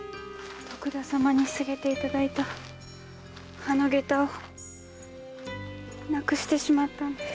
徳田様にすげていただいたあの下駄を失くしてしまったんです。